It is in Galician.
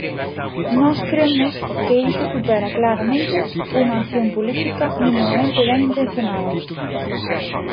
Nós cremos que iso supera claramente unha acción política minimamente ben intencionada.